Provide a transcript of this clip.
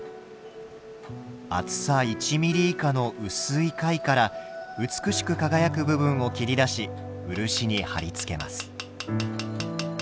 厚さ１ミリ以下の薄い貝から美しく輝く部分を切り出し漆に貼り付けます。